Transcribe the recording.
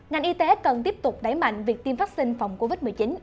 ngành y tế cần tiếp tục đẩy mạnh việc tiêm vaccine phòng covid một mươi chín